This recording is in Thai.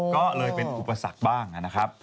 ก็เลยเป็นอุปสรรคบ้างนะครับ